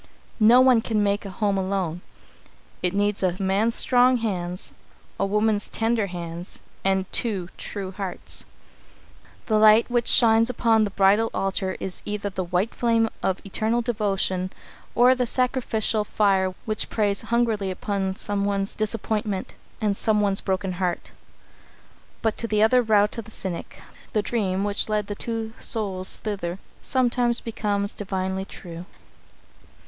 No one can make a home alone. It needs a man's strong hands, a woman's tender hands, and two true hearts. [Sidenote: The Light upon the Altar] The light which shines upon the bridal altar is either the white flame of eternal devotion or the sacrificial fire which preys hungrily upon someone's disappointment and someone's broken heart. But to the utter rout of the cynic, the dream which led the two souls thither sometimes becomes divinely true.